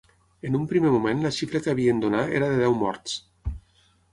En un primer moment la xifra que havien donar era de deu morts.